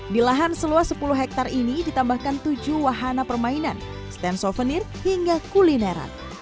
di lahan seluas sepuluh hektare ini ditambahkan tujuh wahana permainan stand souvenir hingga kulineran